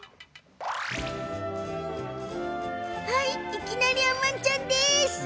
はい、いきなりあんまんちゃんです。